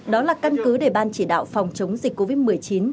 đó là căn cứ để ban chỉ đạo phòng chống dịch covid một mươi chín